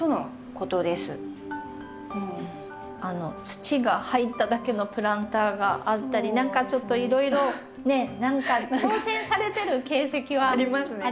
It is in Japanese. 土が入っただけのプランターがあったり何かちょっといろいろねっ何か挑戦されてる形跡は。ありますね。